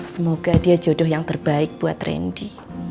semoga dia jodoh yang terbaik buat randy